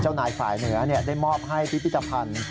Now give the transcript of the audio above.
นายฝ่ายเหนือได้มอบให้พิพิธภัณฑ์